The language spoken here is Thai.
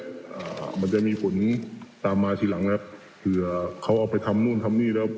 อ่ามันจะมีผลตามมาทีหลังแล้วเผื่อเขาเอาไปทำนู่นทำนี่แล้ว